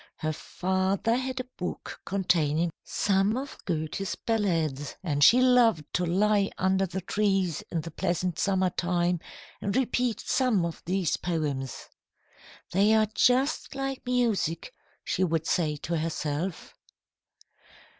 Her father had a book containing some of Goethe's ballads, and she loved to lie under the trees in the pleasant summer time and repeat some of these poems. "They are just like music," she would say to herself.